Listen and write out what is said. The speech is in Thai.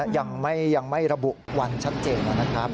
ยังไม่ระบุวันชัดเจนนะครับ